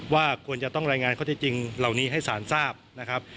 ว่าควรจะต้องรายงานข้อที่จริงเหล่านี้ให้สารทราบนะครับ